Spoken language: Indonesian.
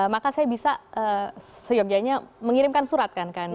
maka saya bisa seyogianya mengirimkan surat ke anda